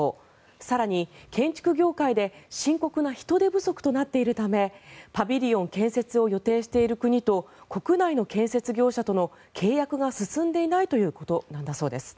更に、建築業界で深刻な人手不足となっているためパビリオン建設を予定している国と国内の建設業者との契約が進んでいないということなんだそうです。